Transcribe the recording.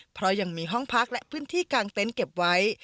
เพราะยังมีห้องพักและพื้นที่กางเต็นต์เก็บไว้